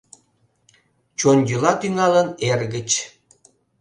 Чон йӱла тӱҥалын эр гыч